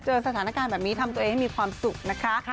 เจอสถานการณ์แบบนี้ทำตัวเองให้มีความสุขนะคะ